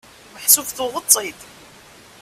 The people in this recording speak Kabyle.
Meḥsub tuɣeḍ-tt-id?